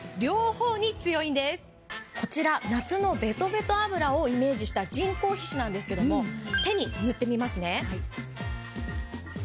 こちら夏のベトベト脂をイメージした人工皮脂なんですけども手に塗ってみますね。